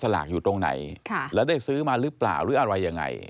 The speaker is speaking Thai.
ลากอยู่ตรงไหนแล้วได้ซื้อมาหรือเปล่าหรืออะไรยังไง